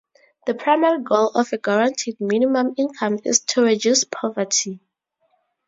The primary goal of a guaranteed minimum income is to reduce poverty.